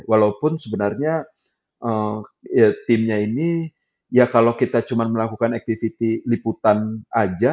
walaupun sebenarnya timnya ini ya kalau kita cuma melakukan activity liputan aja